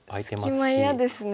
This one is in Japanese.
隙間嫌ですね。